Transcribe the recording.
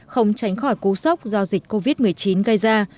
không tránh khỏi cú sốc do dịch covid một mươi chín gây ra